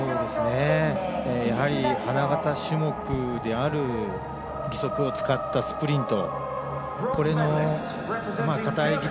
やはり、花形種目である義足を使ったスプリント。